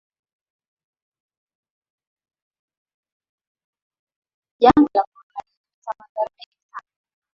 Janga la Corona lilileta madhara mengi sana.